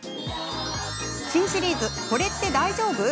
新シリーズ「これって大丈夫？」。